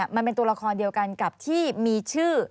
มันเป็นตัวละครเดียวกันกับที่มีชื่อ